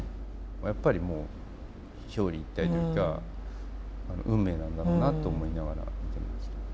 やっぱりもう表裏一体というか運命なんだろうなと思いながら見てました。